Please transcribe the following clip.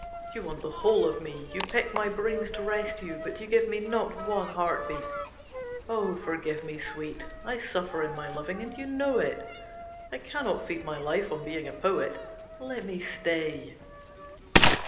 You want the whole of me, you pick my brains to rest you, but you give me not one heart beat. Oh, forgive me, Sweet! I suffer in my loving, and you know it. I cannot feed my life on being a poet. Let me stay."